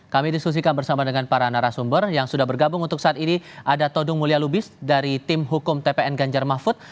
kami diskusikan bersama dengan para narasumber yang sudah bergabung untuk saat ini ada todung mulya lubis dari tim hukum tpn ganjar mahfud